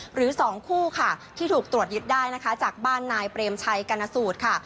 หรือ๒คู่ค่ะที่ถูกตรวจยึดได้นะคะจากบ้านนายเปรมชัยกรณสูตรค่ะ